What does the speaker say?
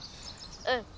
うん。